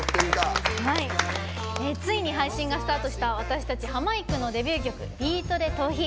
ついに配信がスタートした私たちハマいくのデビュー曲「ビートＤＥトーヒ」。